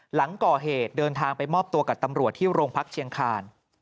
หลังก่อเหตุเดินทางไปมอบตัวกับตำรวจที่โรงพักเชียงคาน